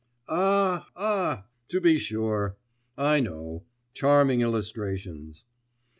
'Ah! ah! to be sure, I know. Charming illustrations.